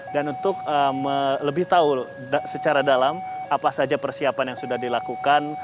dan untuk lebih tahu secara dalam apa saja persiapan yang sudah dilakukan